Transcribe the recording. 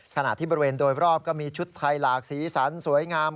ขณะที่บริเวณโดยรอบก็มีชุดไทยหลากสีสันสวยงาม